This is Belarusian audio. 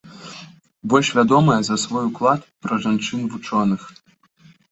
Больш вядомая за свой уклад пра жанчын-вучоных.